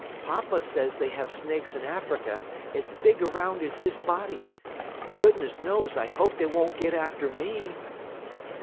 Papa says they have snakes in Africa as big around as his body; and, goodness knows, I hope they won't get after me."